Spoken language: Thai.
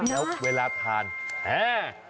แล้วเวลาทานอ่าาาาาา